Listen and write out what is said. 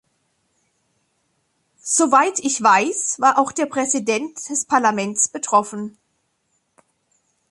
Soweit ich weiß, war auch der Präsident des Parlaments betroffen.